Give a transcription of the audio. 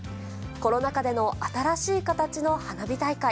コロナ禍での新しい形の花火大会。